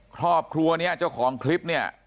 ครอบครัวนี้เจ้าของคลิปเนี่ย